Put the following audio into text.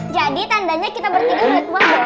jadi tandanya kita bertiga melihat mahal